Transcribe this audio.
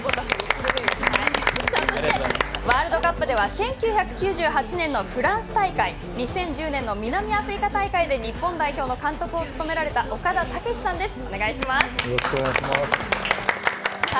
そして、ワールドカップでは１９９８年のフランス大会２０１０年の南アフリカ大会で日本代表の監督を務められた岡田武史さんです。